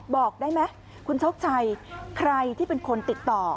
บอกได้ไหมคุณโชคชัยใครที่เป็นคนติดต่อ